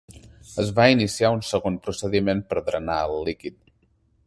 Es va iniciar un segon procediment per drenar el líquid.